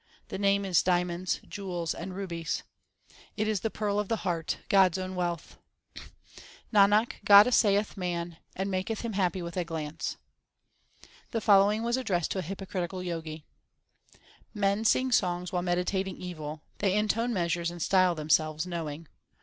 The Name is diamonds, jewels, and rubies ; It is the pearl of the heart, God s own wealth. Nanak, God assayeth man, and maketh him happy with a glance. The following was addressed to a hypocritic; Jgi : Men sing songs while meditating evil ; They intone measures and style themselves knowing.